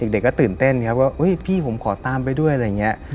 เด็กก็ตื่นเต้นครับว่าพี่ผมขอตามไปด้วยอะไรอย่างนี้